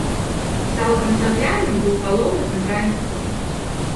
Цалкам цагляным быў галоўны цэнтральны корпус.